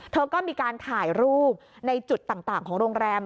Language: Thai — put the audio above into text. เธอก็มีการถ่ายรูปในจุดต่างของโรงแรม